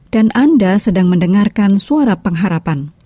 dan anda sedang mendengarkan suara pengharapan